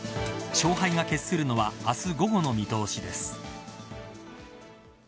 勝敗が決するのは明日午後の見通しです。